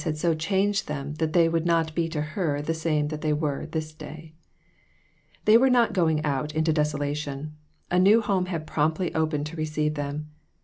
2OQ had so changed them that they would not be to her the same that they were this day. They were not going out into desolation. A new home had promptly opened to receive them.